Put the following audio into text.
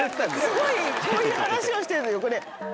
すごいこういう話をしてる時横で。